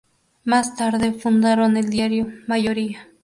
Más tarde fundaron el diario "Mayoría".